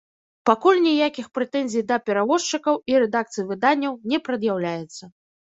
Пакуль ніякіх прэтэнзій да перавозчыкаў і рэдакцый выданняў не прад'яўляецца.